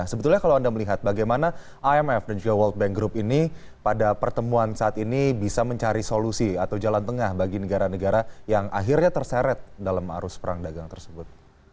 sebetulnya kalau anda melihat bagaimana imf dan juga world bank group ini pada pertemuan saat ini bisa mencari solusi atau jalan tengah bagi negara negara yang akhirnya terseret dalam arus perang dagang tersebut